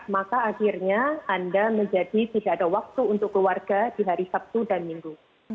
maka akhirnya anda menjadi tidak ada waktu untuk keluarga di hari sabtu dan minggu